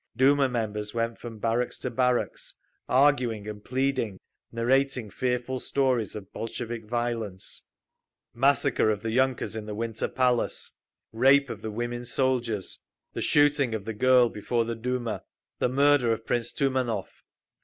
Duma members went from barracks to barracks, arguing and pleading, narrating fearful stories of Bolshevik violence—massacre of the yunkers in the Winter Palace, rape of the women soldiers, the shooting of the girl before the Duma, the murder of Prince Tumanov….